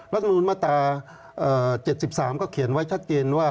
รัฐมนูลมาตรา๗๓ก็เขียนไว้ชัดเจนว่า